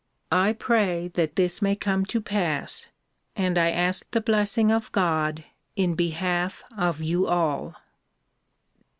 I pray that this may come to pass and I ask the blessing of God in behalf of you all.